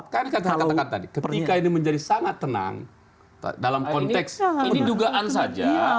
ketika ini menjadi sangat tenang dalam konteks ini dugaan saja